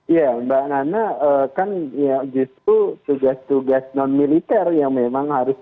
ya mbak nana kan justru tugas tugas non militer yang memang harus